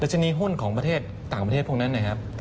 ชนีหุ้นของประเทศต่างประเทศพวกนั้นนะครับ